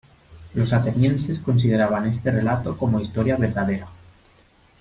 Los atenienses consideraban este relato como historia verdadera.